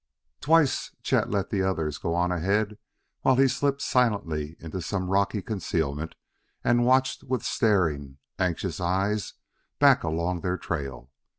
Twice Chet let the others go on ahead while he slipped silently into some rocky concealment and watched with staring, anxious eyes back along their trail.